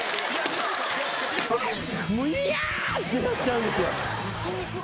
もうイヤ！ってなっちゃうんですよ。